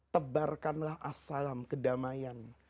tebarkanlah as salam kedamaian